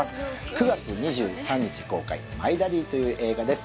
９月２３日公開「マイ・ダディ」という映画です